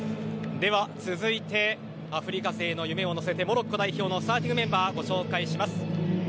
では、続いてアフリカ勢の夢を乗せてモロッコ代表のスターティングメンバーをご紹介します。